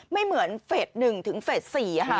ไม่เหมือนเฟส๑ถึงเฟส๔ค่ะ